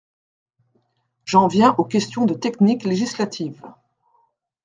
J’en viens aux questions de technique législative.